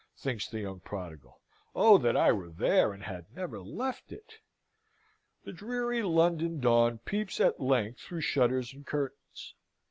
thinks the young prodigal. "Oh, that I were there, and had never left it!" The dreary London dawn peeps at length through shutters and curtains.